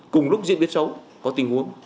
cùng lúc diễn biến xấu có tình huống